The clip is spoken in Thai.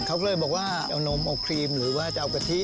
เขาก็เลยบอกว่าเอานมเอาครีมหรือว่าจะเอากะทิ